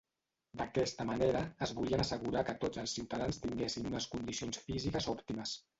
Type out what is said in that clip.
D'aquesta manera, es volien assegurar que tots els ciutadans tinguessin unes condicions físiques òptimes.